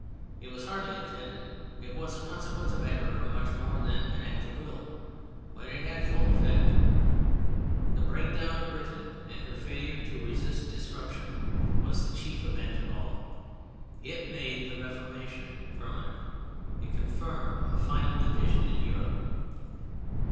It was hardly intended. It was a consequence of error much more than an act of will. But it had full effect. The breakdown of Britain and her failure to resist disruption was the chief event of all. It made the Reformation permanent. It confirmed a final division in Europe.